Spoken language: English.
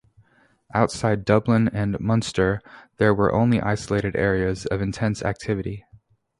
Outside Dublin and Munster, there were only isolated areas of intense activity.